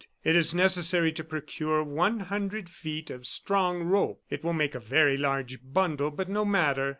It is necessary to procure one hundred feet of strong rope. It will make a very large bundle; but no matter.